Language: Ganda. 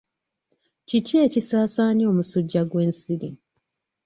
Kiki ekisaasaanya omusujja gw'ensiri?